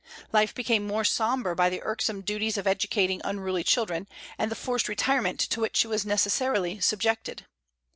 Life became more sombre by the irksome duties of educating unruly children, and the forced retirement to which she was necessarily subjected.